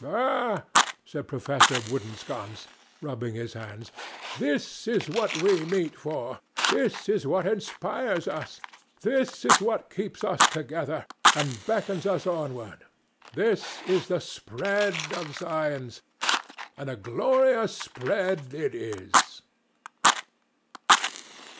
"Ah!" said Professor Woodensconce, rubbing his hands, "this is what we meet for; this is what inspires us; this is what keeps us together, and beckons us onward; this is the spread of science, and a glorious spread it is."